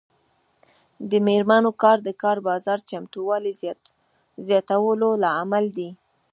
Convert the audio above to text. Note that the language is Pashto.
د میرمنو کار د کار بازار چمتووالي زیاتولو لامل دی.